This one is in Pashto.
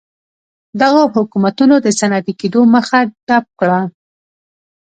دغو حکومتونو د صنعتي کېدو مخه ډپ کړه.